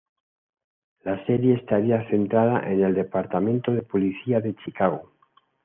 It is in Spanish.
La serie estaría centrada en el Departamento de Policía de Chicago.